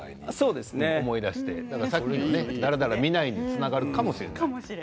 思い出してさっきのだらだら見ないにつながるかもしれない。